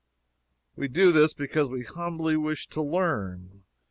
We do this because we humbly wish to learn.